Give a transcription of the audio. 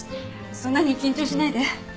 そんなに緊張しないで。